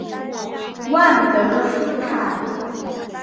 万德斯坦。